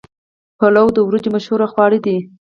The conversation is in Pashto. پلاو د وریجو مشهور خواړه دي.